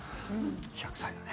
１００歳だね。